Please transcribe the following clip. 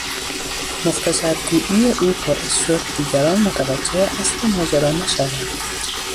مختصر گوئی او باعث شد دیگران متوجه اصل ماجرا نشوند